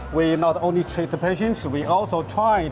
kami tidak hanya menghadapi masalah penyakit kardiologis